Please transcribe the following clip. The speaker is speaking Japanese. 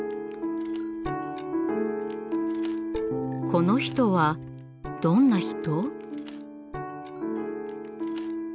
この人はどんな人？